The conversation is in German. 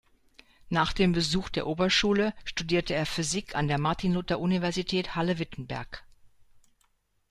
Nach dem Besuch der Oberschule studierte er Physik an der Martin-Luther-Universität Halle-Wittenberg.